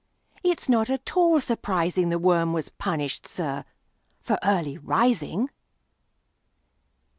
—it 's not at all surprising; The worm was punished, sir, for early rising!"